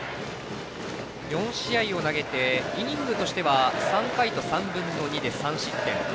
４試合を投げてイニングとしては３回と３分の２で３失点。